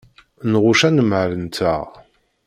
Nɣucc anemhal-nteɣ.